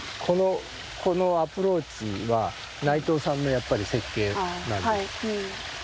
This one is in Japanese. このアプローチは内藤さんのやっぱり設計なんです。